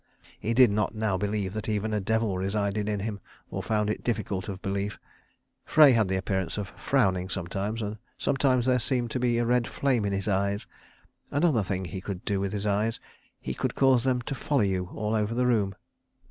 He did not now believe that even a devil resided in him, or found it difficult of belief. Frey had the appearance of frowning sometimes, and sometimes there seemed to be a red flame in his eyes. Another thing he could do with his eyes: he could cause them to follow you all over the room.